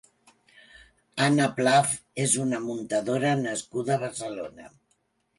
Ana Pfaff és una muntadora nascuda a Barcelona.